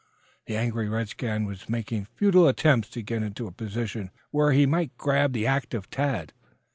The angry redskin was making futile attempts to get into a position where he might grab the active Tad.